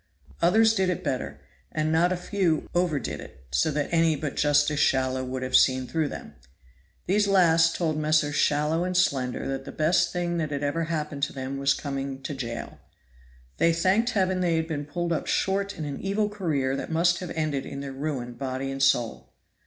Others did it better; and not a few overdid it, so that any but Justice Shallow would have seen through them. These last told Messrs. Shallow and Slender that the best thing that ever happened to them was coming to Jail. They thanked Heaven they had been pulled up short in an evil career that must have ended in their ruin body and soul.